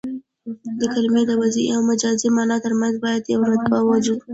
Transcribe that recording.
د کلمې د وضعي او مجازي مانا ترمنځ باید یوه رابطه موجوده يي.